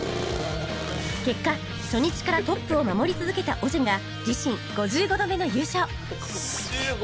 結果初日からトップを守り続けたオジェが自身５５度目の優勝